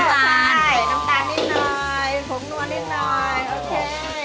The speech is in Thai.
ใช่น้ำตาลนิดหน่อยผมนวลนิดหน่อยโอเค